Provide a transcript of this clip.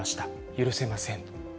許せません。